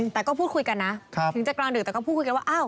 แต่ก็พูดคุยกันนะถึงจะกลางดึกแต่ก็พูดคุยกันว่าอ้าว